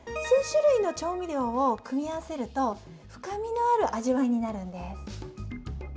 数種類の調味料を組み合わせると、深みのある味わいになるんです。